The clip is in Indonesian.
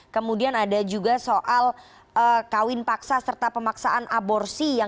kemudian ada juga soal kawin paksa serta pemaksaan aborsi